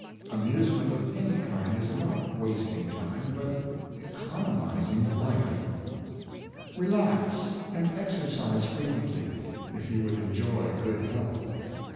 Amusement of any kind is not wasting time, but economizing life. Relax and exercise frequently, if you would enjoy good health.